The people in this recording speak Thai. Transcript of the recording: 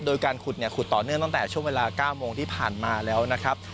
โดยการขุดเนี่ยขุดต่อเนื่องตั้งแต่ช่วงเวลา๙โมงที่ผ่านมาแล้วนะครับ